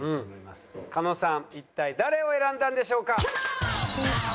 一体誰を選んだんでしょうか？